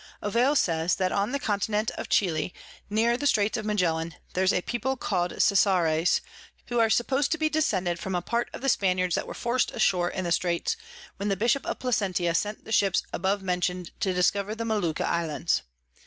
Ovalle says, that on the Continent of Chili, near the Straits of Magellan, there's a People call'd Cessares, who are suppos'd to be descended from part of the Spaniards that were forc'd ashore in the Straits, when the Bishop of Placentia sent the Ships abovemention'd to discover the Molucca Islands.